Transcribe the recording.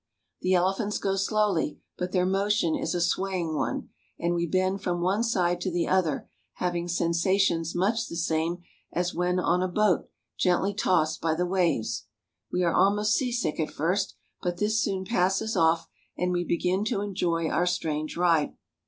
The elephants go slowly, but their motion is a swaying one, and we bend from one side to the other, having sensations much the same as when on a boat gently tossed by the waves. We are almost seasick at first, but this soon passes off, and we begin to enjoy our strange ride.